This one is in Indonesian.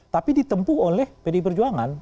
tapi ditempuh oleh pdi perjuangan